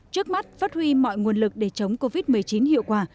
trước mắt phát huy mọi nguồn lực để chống covid một mươi chín hiệu quả